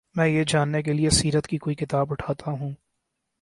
میں یہ جاننے کے لیے سیرت کی کوئی کتاب اٹھاتا ہوں۔